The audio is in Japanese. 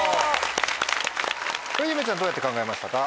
これゆめちゃんどうやって考えましたか？